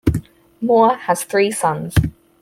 Moore has three sons.